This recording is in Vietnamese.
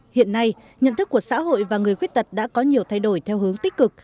hiện nay nhận thức của xã hội và người khuyết tật đã có nhiều thay đổi theo hướng tích cực